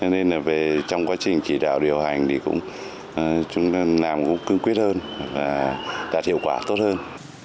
nên trong quá trình chỉ đạo điều hành thì chúng ta làm cũng cương quyết hơn và đạt hiệu quả tốt hơn